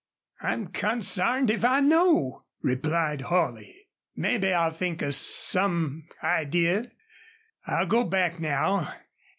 "I'm consarned if I know," replied Holley. "Mebbe I'll think of some idee. I'll go back now.